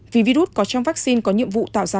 vì virus có trong vaccine có nhiệm vụ tạo ra